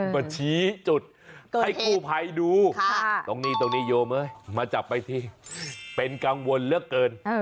มาชี้จุดให้กู้ภัยดูตรงนี้โยมมาจับไปที่เป็นกังวลเลือกเกิน